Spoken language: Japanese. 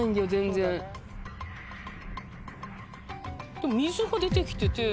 でも水が出て来てて。